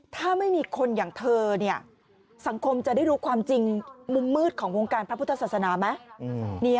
ถ้าไม่มีคนอย่างเธอสังคมจะได้รู้ความจริงมุมมืดของวงการพระพุทธศาสนาไหม